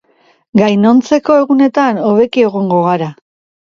Gainontzeko egunetan hobeki egongo gara.